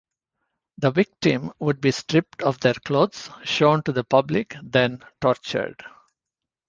The victim would be stripped of their clothes, shown to the public, then tortured.